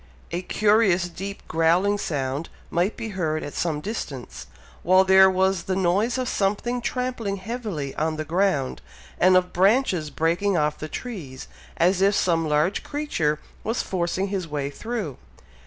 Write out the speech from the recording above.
A curious deep growling sound might be heard at some distance, while there was the noise of something trampling heavily on the ground, and of branches breaking off the trees, as if some large creature was forcing his way through.